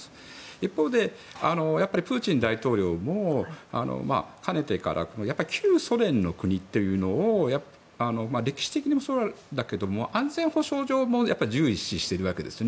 一方で、プーチン大統領もかねてから旧ソ連の国というのを歴史的にもそうなんだけれども安全保障上も重視しているわけですよね。